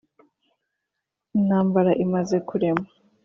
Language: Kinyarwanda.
Intambara imaze kurema